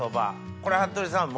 これ服部さん